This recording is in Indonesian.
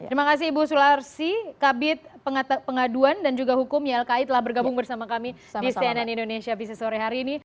terima kasih ibu sularsi kabit pengaduan dan juga hukum ylki telah bergabung bersama kami di cnn indonesia bisnis sore hari ini